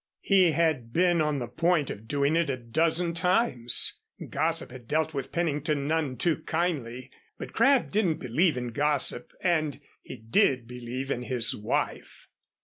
He had been on the point of it a dozen times. Gossip had dealt with Pennington none too kindly, but Crabb didn't believe in gossip and he did believe in his wife.